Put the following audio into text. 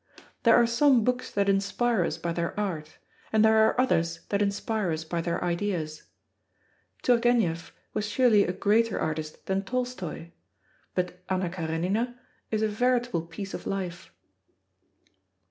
There are some books that inspire us by their art, and there are others that inspire us by their ideas. Turgenev was surely a greater artist than Tolstoi, but Anna Karenina is a veritable piece of life.